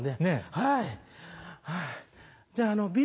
⁉はい。